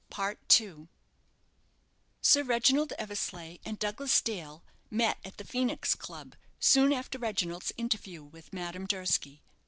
Sir Reginald Eversleigh and Douglas Dale met at the Phoenix Club soon after Reginald's interview with Madame Durski.